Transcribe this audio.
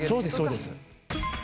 そうですそうです。